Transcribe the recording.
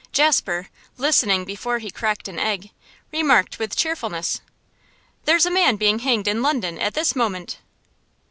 Jasper, listening before he cracked an egg, remarked with cheerfulness: 'There's a man being hanged in London at this moment.